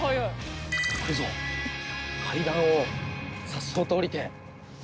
階段をさっそうと下りて。